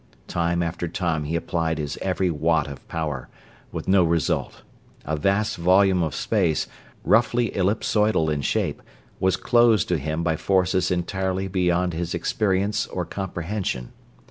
Time after time he applied his every watt of power, with no result. A vast volume of space, roughly ellipsodial in shape, was closed to him by forces entirely beyond his experience or comprehension.